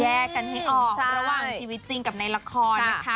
กันให้ออกระหว่างชีวิตจริงกับในละครนะคะ